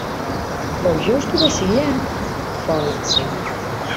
Ο γιος του Βασιλιά; φώναξε.